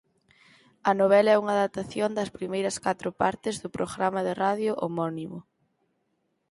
A novela é unha adaptación das primeiras catro partes do programa de radio homónimo.